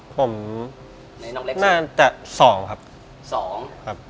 ผมน่าจะ๒ครับ